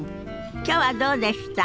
きょうはどうでした？